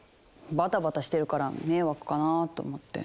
バタバタしてるから迷惑かなぁと思って。